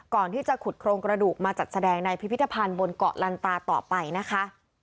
ก่อนที่จะขุดโครงกระดูกมาจัดแสดงในพิพิธภัณฑ์บนเกาะลันตาต่อไปนะคะ